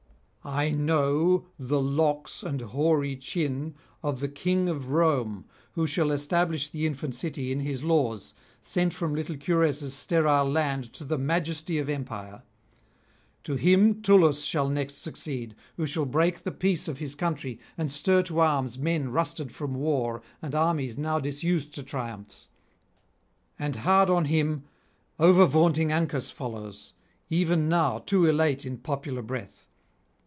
I know the locks and hoary chin of the king of Rome who shall establish the infant city in his [811 843]laws, sent from little Cures' sterile land to the majesty of empire. To him Tullus shall next succeed, who shall break the peace of his country and stir to arms men rusted from war and armies now disused to triumphs; and hard on him over vaunting Ancus follows, even now too elate in popular breath.